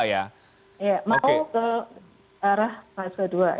ya mau ke arah fase dua